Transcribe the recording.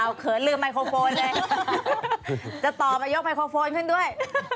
เอาเขินลืมไมโครโฟนเลยจะต่อไปยกไมโครโฟนขึ้นด้วย